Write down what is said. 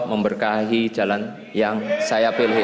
memberkahi jalan yang saya pilih